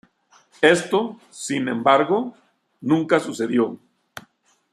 Esto, sin embargo, nunca sucedió.